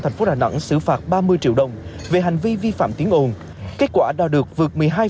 thành phố đà nẵng xử phạt ba mươi triệu đồng về hành vi vi phạm tiếng ồn kết quả đo được vượt một mươi hai